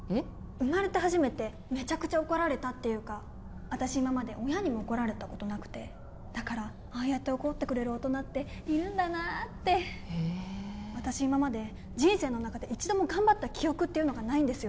生まれて初めてめちゃくちゃ怒られたっていうか私今まで親にも怒られたことなくてだからああやって怒ってくれる大人っているんだなってへ私今まで人生の中で一度も頑張った記憶っていうのがないんですよ